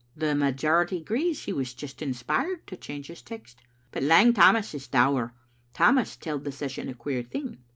The majority agrees that he was just inspired to change his text. But Lang Tammas is dour. Tammas telled the session a queer thing.